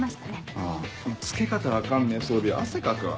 ああ着け方分かんねえ装備は汗かくわ。